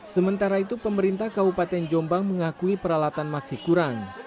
sementara itu pemerintah kabupaten jombang mengakui peralatan masih kurang